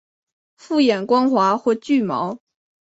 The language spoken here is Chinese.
复眼光滑或具毛。